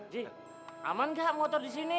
ji aman nggak motor di sini